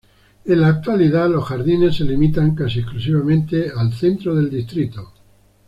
En la actualidad, los jardines se limitan casi exclusivamente al centro del distrito.